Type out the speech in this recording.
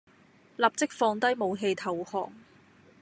立即放低武器投降